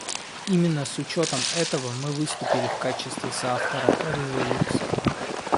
Именно с учетом этого мы выступили в качестве соавтора резолюции.